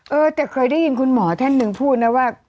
เออแต่เคยได้ยินคุณหมอท่านหนึ่งพูดนะว่า